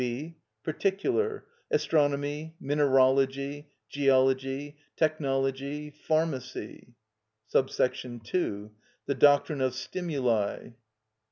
(b.) Particular: Astronomy, Mineralogy, Geology, Technology, Pharmacy. 2. The doctrine of stimuli.